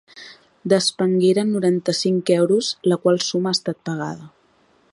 Despengueren noranta-cinc euros, la qual suma ha estat pagada...